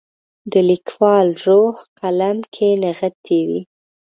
د لیکوال روح قلم کې نغښتی وي.